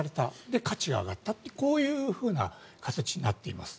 で、価値が上がったこういう形になっています。